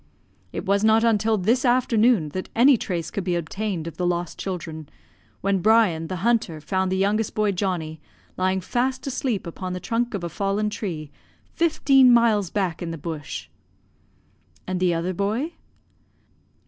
"It was not until this afternoon that any trace could be obtained of the lost children, when Brian, the hunter, found the youngest boy, Johnnie, lying fast asleep upon the trunk of a fallen tree, fifteen miles back in the bush." "And the other boy?"